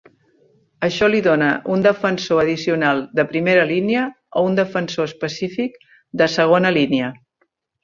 Això li dona un defensor addicional de primera línia o un defensor específic de segona línia.